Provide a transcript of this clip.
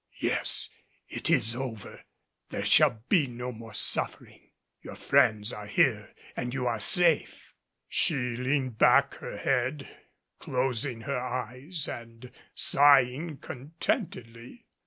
"Yes. It is over. There shall be no more suffering. Your friends are here and you are safe." She leaned back her head, closing her eyes and sighing contentedly.